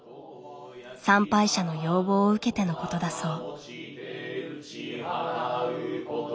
参拝者の要望を受けてのことだそう。